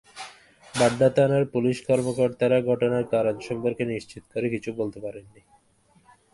বাড্ডা থানার পুলিশ কর্মকর্তারা ঘটনার কারণ সম্পর্কে নিশ্চিত করে কিছু বলতে পারেননি।